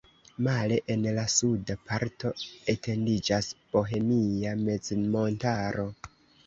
Male en la suda parto etendiĝas Bohemia mezmontaro.